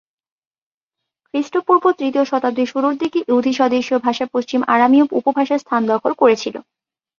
খ্রিস্টপূর্ব তৃতীয় শতাব্দীর শুরুর দিকে ইহুদি স্বদেশীয় ভাষা পশ্চিম আরামীয় উপভাষার স্থান দখল করেছিল।